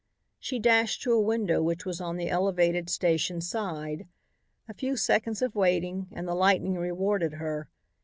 She dashed to a window which was on the elevated station side. A few seconds of waiting and the lightning rewarded her.